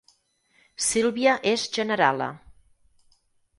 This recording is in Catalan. Sílvia és generala